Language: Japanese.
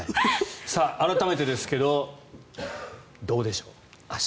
改めてですがどうでしょう明日。